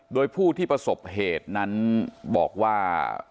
โดยผู้ที่ประสบเหตุนั้นบอกว่า